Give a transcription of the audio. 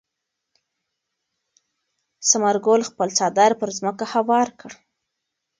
ثمر ګل خپل څادر پر ځمکه هوار کړ.